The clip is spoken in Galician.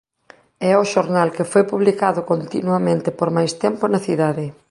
É o xornal que foi publicado continuamente por máis tempo na cidade.